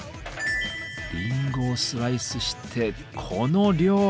りんごをスライスしてこの量！